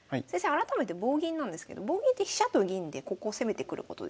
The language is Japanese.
改めて棒銀なんですけど棒銀って飛車と銀でここを攻めてくることですか？